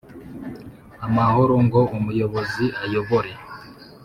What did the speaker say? amahoro ngo umuyobozi ayobore